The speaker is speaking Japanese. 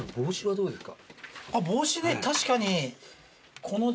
どうっすか？